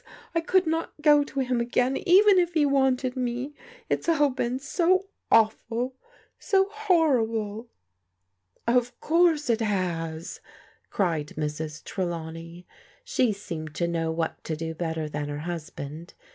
I could not go to him again even if he wanted me. It's all been so awful, so horrible !"" Of course it has," cried Mrs. Trelawney. She seemed to know what to do better than her hus band.